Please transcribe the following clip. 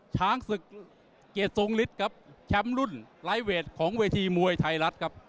ช้างสุขเกรดสงฤษครับแชมป์รุ่นรายเวทของเวทีมวยไทยรัฐครับ